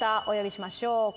お呼びしましょう